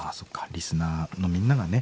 リスナーのみんながね